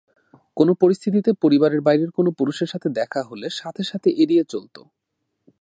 কোন পরিস্থিতিতে পরিবারে বাইরের কোন পুরুষের সাথে দেখা হলে সাথে সাথে এড়িয়ে চলত।